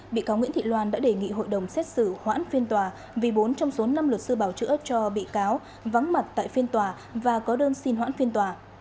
bị cáo nguyễn thị loan đã đề nghị hội đồng xét xử hoãn phiên tòa vì bốn trong số năm luật sư bảo chữa cho bị cáo vắng mặt tại phiên tòa và có đơn xin hoãn phiên tòa